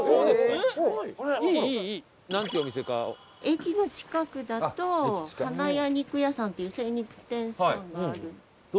駅の近くだとハナヤ肉屋さんっていう精肉店さんがある。